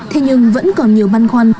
thế nhưng vẫn còn nhiều băn khoăn